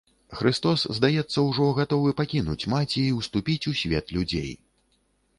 Хрыстос, здаецца, ужо гатовы пакінуць маці і ўступіць у свет людзей.